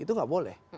itu tidak boleh